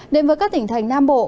nên với các tỉnh thành nam bộ